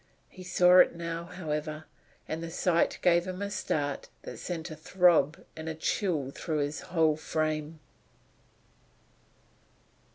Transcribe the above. He saw it now, however, and the sight gave him a start that sent a throb and a chill through his whole frame.